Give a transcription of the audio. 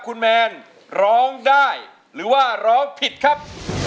คุณแมนร้องได้หรือว่าร้องผิดครับ